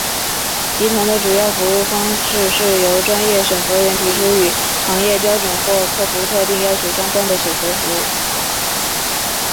集团的主要服务方式是由专业审核员提供与行业标准或客户特定要求相关的审核服务。